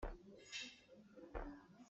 Chinchin cu cauk an pek.